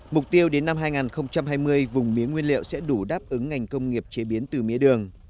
mục tiêu đến năm hai nghìn hai mươi vùng mía nguyên liệu sẽ đủ đáp ứng ngành công nghiệp chế biến từ mía đường